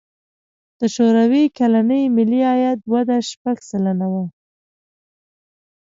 د شوروي کلني ملي عاید وده شپږ سلنه وه.